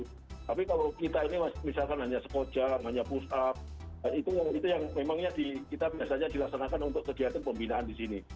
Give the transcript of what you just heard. tapi kalau kita ini misalkan hanya sekoja hanya push up itu yang memangnya kita biasanya dilaksanakan untuk kegiatan pembinaan di sini